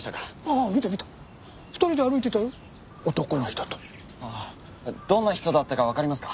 ああどんな人だったかわかりますか？